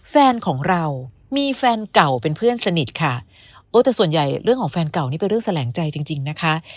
แฟนของเรามีแฟนเก่าเป็นเพื่อนสนิทค่ะโอ้แต่ส่วนใหญ่เรื่องของแฟนเก่านี่เป็นเรื่องแสลงใจจริงจริงนะคะ